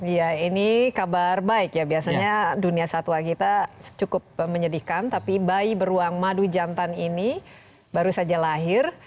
ya ini kabar baik ya biasanya dunia satwa kita cukup menyedihkan tapi bayi beruang madu jantan ini baru saja lahir